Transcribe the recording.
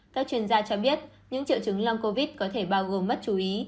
các chuyên gia cho biết những triệu chứng lâm covid có thể bao gồm mất chú ý